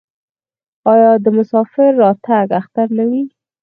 آیا د مسافر راتګ اختر نه وي؟